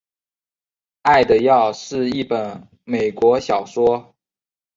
爱的药是一本美国小说。